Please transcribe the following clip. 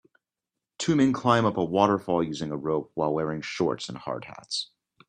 Two men climb up a waterfall using a rope while wearing shorts and hard hats.